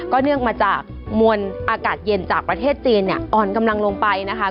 เนื่องมาจากมวลอากาศเย็นจากประเทศจีนเนี่ยอ่อนกำลังลงไปนะคะ